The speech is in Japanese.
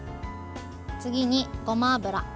次に、ごま油。